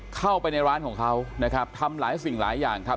เข้าไปในร้านของเขานะครับทำหลายสิ่งหลายอย่างครับ